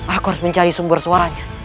aku harus mencari sumber suaranya